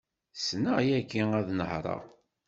Ssneɣ yagi ad nehṛeɣ.